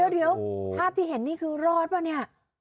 เดี๋ยวภาพที่เห็นนี่คือรอดป่ะเนี่ย